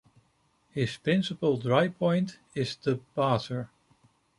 His principal dry-point is The Bather.